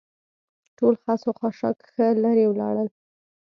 ټول خس او خاشاک ښه لرې ولاړل.